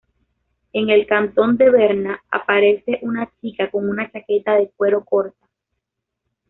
En el cantón de Berna, aparece una chica con una chaqueta de cuero corta.